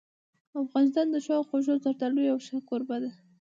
افغانستان د ښو او خوږو زردالو یو ښه کوربه دی.